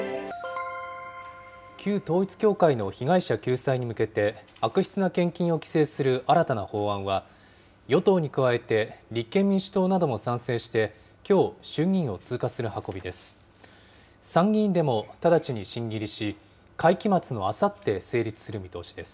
旧統一教会の被害者救済に向けて、悪質な献金を規制する新たな法案は、与党に加えて立憲民主党なども賛成して、きょう、衆議院を通過する運びです。